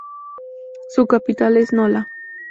Su capital es Nola.